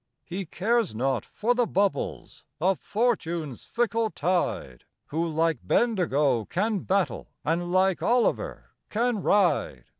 He cares not for the bubbles of Fortune's fickle tide, Who like Bendigo can battle, and like Olliver can ride.